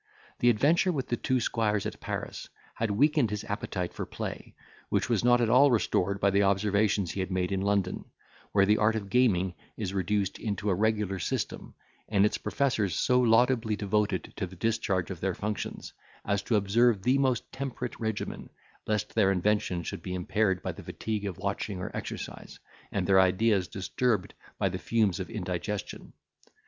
The adventure with the two squires at Paris had weakened his appetite for play, which was not at all restored by the observations he had made in London, where the art of gaming is reduced into a regular system, and its professors so laudably devoted to the discharge of their functions, as to observe the most temperate regimen, lest their invention should be impaired by the fatigue of watching or exercise, and their ideas disturbed by the fumes of indigestion.